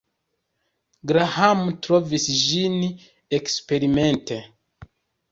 Graham trovis ĝin eksperimente.